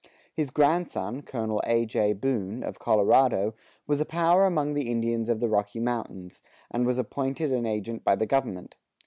His grandson, Col. A. J. Boone, of Colorado, was a power among the Indians of the Rocky Mountains, and was appointed an agent by the government.